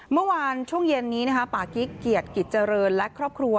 เมื่อวานช่วงเย็นนี้ปากิ๊กเกียรติกิจเจริญและครอบครัว